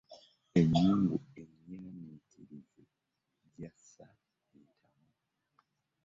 Emyungu emyagirikirize gyasa entamu .